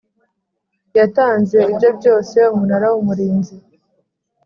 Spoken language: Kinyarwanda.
Yatanze ibye byose Umunara w Umurinzi